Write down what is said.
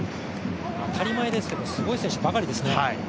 当たり前ですけど、すごい選手ばかりですね。